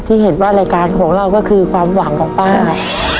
ที่เห็นว่ารายการของเราก็คือความหวังของป้า